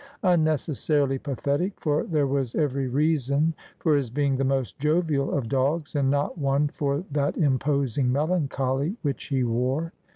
Unnecessarily pathetic, for there was every reason for his being the most jovial of dogs, and not one for that imposing melancholy which he wore.